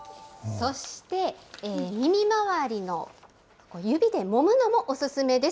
そして、耳周りの指でもむのもお勧めです。